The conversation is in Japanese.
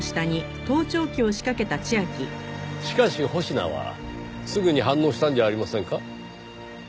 しかし保科はすぐに反応したんじゃありませんか？